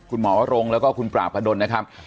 คุณหมอวะรงแล้วก็คุณปราบประดนนะครับ